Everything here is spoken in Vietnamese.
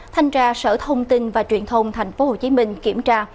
thanh tra sở thông tin và truyền thông thành phố hồ chí minh kiểm tra